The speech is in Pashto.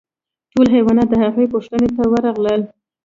ټول حیوانات د هغه پوښتنې ته ورغلل.